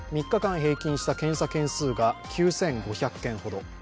３日間平均した検査件数が９５００件ほど。